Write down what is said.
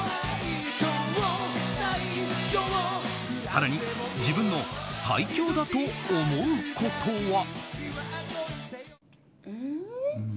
更に自分の最強だと思うことは。